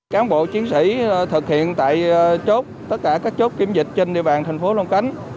cán bộ chiến sĩ thực hiện tại chốt tất cả các chốt kiểm dịch trên địa bàn thành phố long khánh